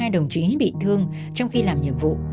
một sáu trăm bốn mươi hai đồng chí bị thương trong khi làm nhiệm vụ